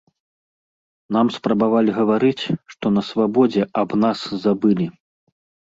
Нам спрабавалі гаварыць, што на свабодзе аб нас забылі.